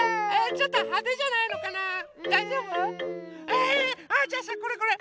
えあじゃあさこれこれ。